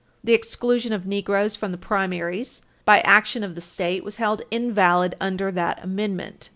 The exclusion of Negroes from the primaries by action of the State was held invalid under that Amendment.